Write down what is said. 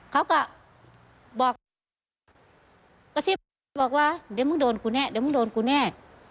เขาก็บอกกระซิบบอกว่าเดี๋ยวมึงโดนกูแน่เดี๋ยวมึงโดนกูแน่